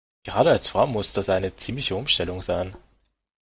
Gerade als Frau muss das eine ziemliche Umstellung sein.